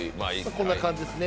こんな感じですね。